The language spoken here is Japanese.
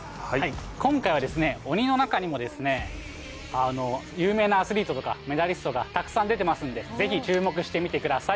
今回は鬼の中にも有名なアスリートとかメダリストがたくさん出ていますのでぜひ、注目して見てください。